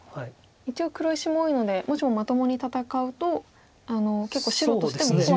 一応黒石も多いのでもしもまともに戦うと結構白としても怖さは。